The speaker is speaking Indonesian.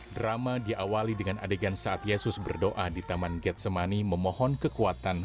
drama diawali dengan adegan saat yesus berdoa di taman getsemani memohon kekuatan